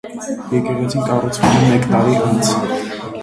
Եկեղեցին կառուցվել է մեկ տարի անց։